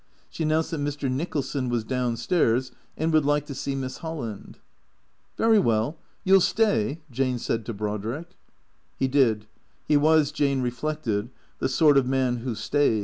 She announced that Mr. Nicholson was down stairs and would like to see Miss Holland. " Very well. You '11 stay ?" Jane said to Brodrick. He did. He was, Jane reflected, the sort of man who stayed.